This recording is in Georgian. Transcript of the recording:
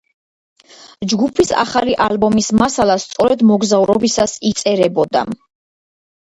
ჯგუფის ახალი ალბომის მასალა სწორედ მოგზაურობებისას იწერებოდა.